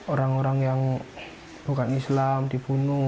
orang orang yang bukan islam dibunuh